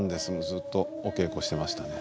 ずっとお稽古してましたね。